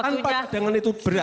kan padahal cadangan itu berat